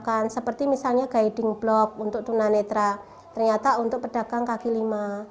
dengan pembekalan bahasa inggris dan keterampilan lainnya